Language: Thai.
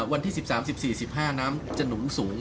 วันที่๑๓๑๔๑๕น้ำจะหนุนสูง